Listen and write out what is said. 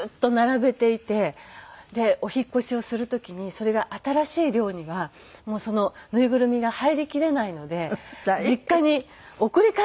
でお引っ越しをする時にそれが新しい寮にはその縫いぐるみが入りきれないので実家に送り返してきたわけですよ。